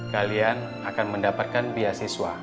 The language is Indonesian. kalian akan mendapatkan biaya siswa